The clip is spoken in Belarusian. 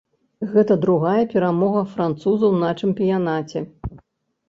Гэта другая перамога французаў на чэмпіянаце.